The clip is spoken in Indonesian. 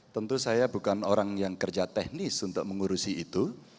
tentu saya bukan orang yang kerja teknis untuk mengurusi itu